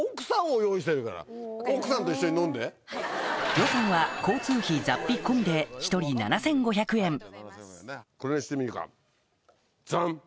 予算は交通費雑費込みでこれにしてみるかジャン！